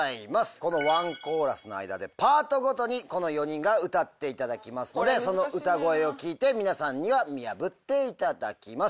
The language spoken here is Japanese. このワンコーラスの間でパートごとにこの４人が歌っていただきますのでその歌声を聴いて皆さんには見破っていただきます。